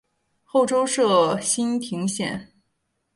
后周设莘亭县。